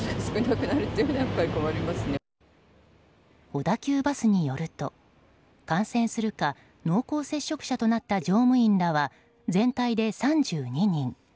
小田急バスによると感染するか濃厚接触者となった乗務員らは全体で３２人。